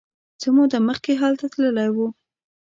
څه موده مخکې هلته تللی و.